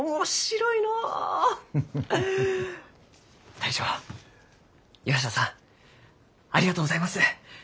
大将岩下さんありがとうございます。